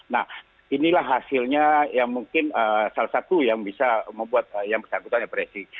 nah inilah hasilnya yang mungkin salah satu yang bisa membuat yang bersangkutan depresi